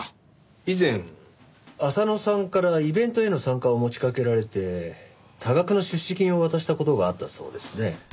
以前浅野さんからイベントへの参加を持ちかけられて多額の出資金を渡した事があったそうですね。